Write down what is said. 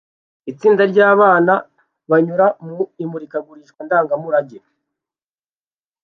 Itsinda ryabana banyura mu imurikagurisha ndangamurage